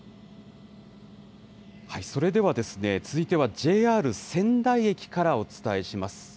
それでは、続いてはＪＲ仙台駅からお伝えします。